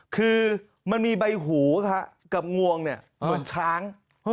คือมันมีใบหูกับงวงเนี่ยเหมือนช้าง